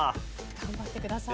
頑張ってください。